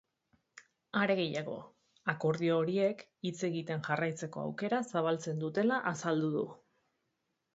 Are gehiago, akordio horiek hitz egiten jarraitzeko aukera zabaltzen dutela azaldu du.